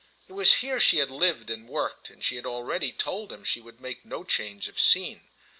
It was here she had lived and worked, and she had already told him she would make no change of scene.